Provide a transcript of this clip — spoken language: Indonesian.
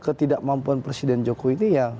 ketidakmampuan presiden jokowi ini ya